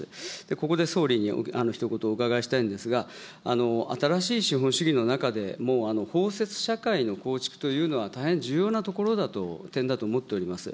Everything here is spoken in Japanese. ここで総理にひと言お伺いしたいんですが、新しい資本主義の中でも、包摂社会の構築というのは大変重要なところだと、点だと思っております。